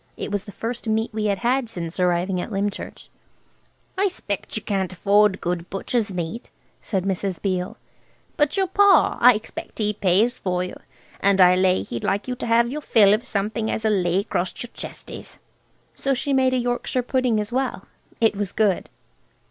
It was the first meat we had had since arriving at Lymchurch. "I 'spect she can't afford good butcher's meat," said Mrs. Beale; "but your pa, I expect he pays for you, and I lay he'd like you to have your fill of something as'll lay acrost your chesties." So she made a Yorkshire pudding as well. It was good.